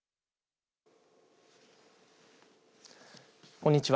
こんにちは。